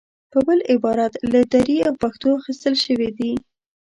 په بل عبارت له دري او پښتو اخیستل شوې دي.